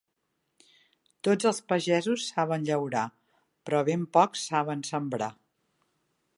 Tots els pagesos saben llaurar, però ben pocs saben sembrar.